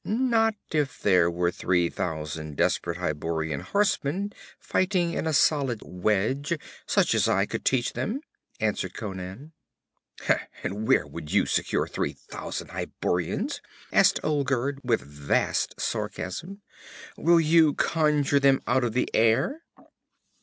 'Not if there were three thousand desperate Hyborian horsemen fighting in a solid wedge such as I could teach them,' answered Conan. 'And where would you secure three thousand Hyborians?' asked Olgerd with vast sarcasm. 'Will you conjure them out of the air?'